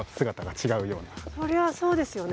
そりゃそうですよね。